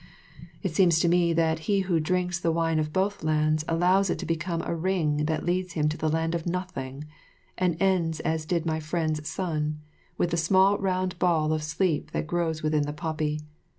It seems to me that he who drinks the wine of both lands allows it to become a ring that leads him to the Land of Nothing, and ends as did my friend's son, with the small round ball of sleep that grows within the poppy.